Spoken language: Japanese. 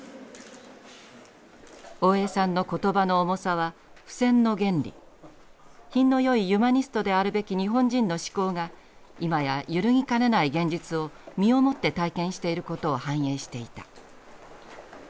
「大江さんの言葉の重さは不戦の原理品のよいユマニストであるべき日本人の思考が今や揺るぎかねない現実を身をもって体験していることを反映していた」。